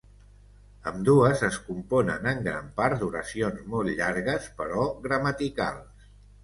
Ambdues es componen en gran part d'oracions molt llargues però gramaticals.